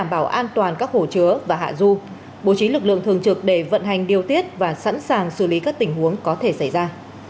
bố trí lực lượng thường trực để vận hành điều tiết và sẵn sàng xử lý các tình huống có thể xảy ra